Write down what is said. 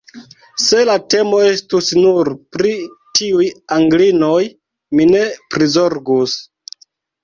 Se la temo estus nur pri tiuj Anglinoj, mi ne prizorgus.